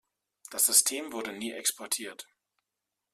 Das System wurde nie exportiert.